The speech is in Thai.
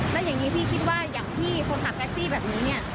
แล้วอย่างนี้พี่คิดว่าอย่างพี่คนขับแท็กซี่แบบนี้เนี่ย